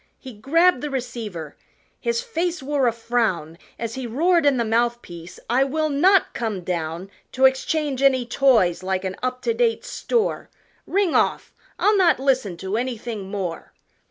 He grabbed the receiver his face wore a frown As he roared in the mouth piece, "I will not come down To exchange any toys like an up to date store, Ring off, I'll not listen to anything more!"